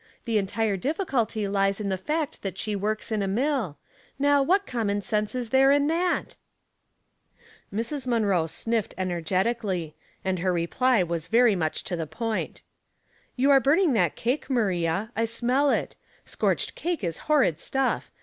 The entire difficulty lies in the fact that she works in a mill. Now, what com mou sense is there in that ?" Opposing Elements. 219 Mrs. Munroe tjiiiffed energetically, and her reply was very much to the point. ''You are burning that cake, Maria; I smell it. Scorched cake is horrid stuff.